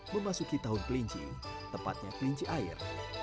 memasuki tahun pelinci tepatnya pelinci air